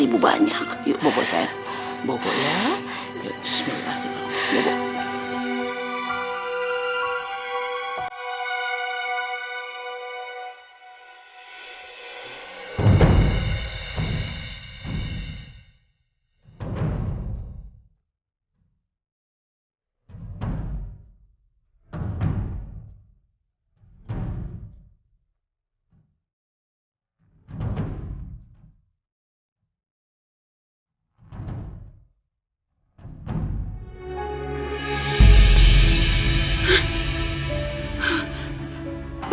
ibu banyak yuk bobo sayang bobo ya bismillah ya bobo